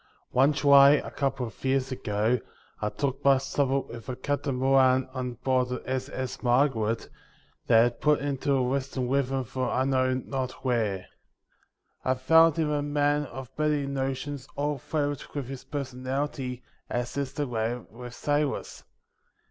One July a couple of years ago I took my supper with a Captain Moran on board the s.s. Margaret, that had put into a western river from I know not where. I found him a man of many notions all flavoured with his personality, as is the way with sailors.